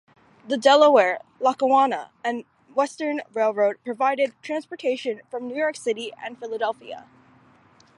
The Delaware, Lackawanna and Western Railroad provided transportation from New York City and Philadelphia.